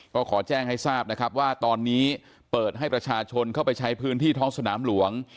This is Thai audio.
ก็ขอแจ้งให้ทราบนะครับว่าตอนนี้เปิดให้ประชาชนเข้าไปใช้พื้นที่ท้องสนามหลวง